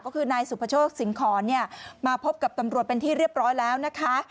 ก็คือนายสุภโชคสิงหอนเนี่ยมาพบกับตำรวจเป็นที่เรียบร้อยแล้วนะคะ